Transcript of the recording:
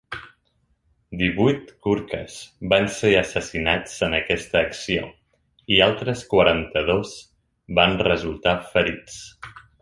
Divuit Gurkhas van ser assassinats en aquesta acció i altres quaranta-dos van resultar ferits.